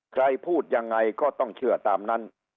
ใครพูดยังไงก็ต้องเชื่อตามนั้น